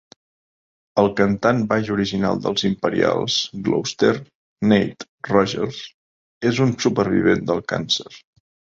El cantant baix original dels Imperials, Glouster "Nate" Rogers, és un supervivent del càncer.